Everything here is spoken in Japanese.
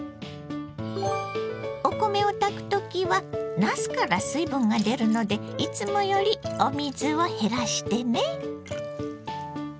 お米を炊く時はなすから水分が出るのでいつもよりお水を減らしてね。